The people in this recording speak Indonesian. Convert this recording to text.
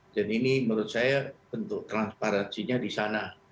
dan ini menurut saya bentuk transparansinya di sana